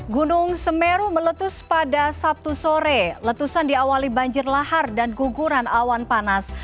gunung semeru meletus pada sabtu sore letusan diawali banjir lahar dan guguran awan panas